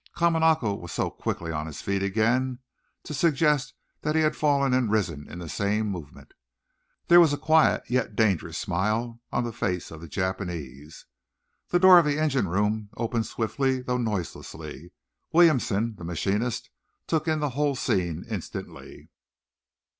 Kamanako was so quickly on his feet again to suggest that he had fallen and risen in the same movement. There was a quiet, yet dangerous, smile on the face of the Japanese. The door of the engine room opened swiftly though noiselessly. Williamson, the machinist, took in the whole scene instantly.